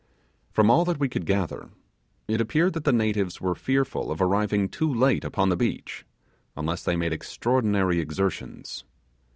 From all that we could gather, it appeared that the natives were fearful of arriving too late upon the beach, unless they made extraordinary exertions.